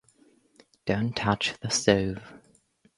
Don't touch the stove.